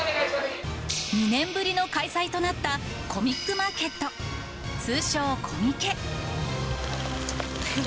２年ぶりの開催となったコミックマーケット、通称、コミケ。